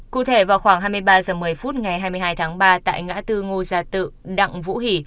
cụ thể vào khoảng hai mươi ba h một mươi phút ngày hai mươi hai tháng ba tại ngã tư ngô gia tự đặng vũ hỷ